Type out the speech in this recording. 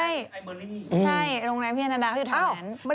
ใช่โรงแรมพี่แอนนาดาเขาอยู่แถวนั้น